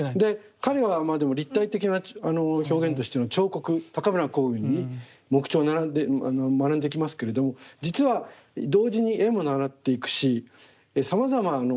彼はまあでも立体的な表現としての彫刻高村光雲に木彫を学んできますけれども実は同時に絵も習っていくしさまざま